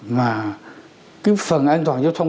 mà cái phần an toàn giao thông